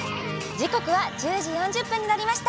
時刻は１０時４０分になりました。